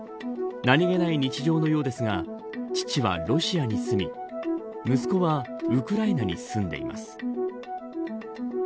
何気ない日常のようですが父はロシアに住み息子はウクライナに住んでいます。